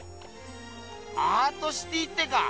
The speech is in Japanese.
アートシティーってか！